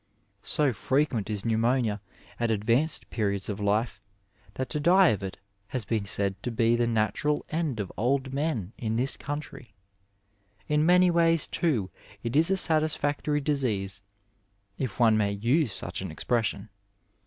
So frequent is pneumonia at advanced periods of life that to die of it has been said to be the natural end of old men in this country; In many ways, too, it is a satisfactory disease, if one may use such an expression.